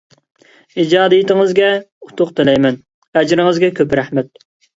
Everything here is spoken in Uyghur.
ئىجادىيىتىڭىزگە ئۇتۇق تىلەيمەن، ئەجرىڭىزگە كۆپ رەھمەت!